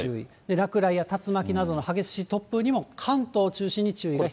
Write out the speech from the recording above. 落雷や竜巻などの激しい突風にも関東を中心に注意が必要です。